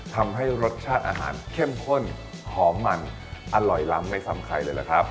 ทำให้รสชาติอาหารเข้มข้นหอมมันอร่อยล้ำไม่ซ้ำใครเลยล่ะครับ